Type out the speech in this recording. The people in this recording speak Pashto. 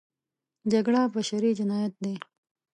جګړه بشري جنایت دی.